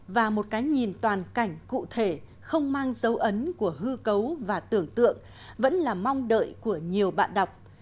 và một cái nhìn toàn cảnh cụ thể không mang dấu ấn của hư cấu và tưởng tượng vẫn là mong đợi của nhiều bạn đọc